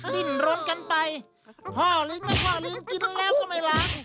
บิ้นร้นกันไปพ่อลิงนั่นพ่อลิงกินแล้วก็ไม่ล้าง